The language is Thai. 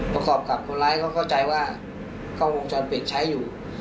ประกอบกับคนร้ายเขาเข้าใจว่ากล้องวงจรปิดใช้อยู่